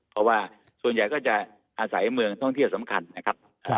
เพราะว่าส่วนใหญ่ก็จะอาศัยเมืองท่องเที่ยวสำคัญนะครับ